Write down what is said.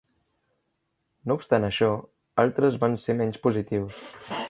No obstant això, altres van ser menys positius.